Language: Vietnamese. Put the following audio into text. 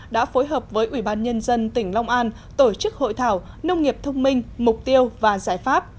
đã phối hợp với ủy ban nhân dân tỉnh long an tổ chức hội thảo nông nghiệp thông minh mục tiêu và giải pháp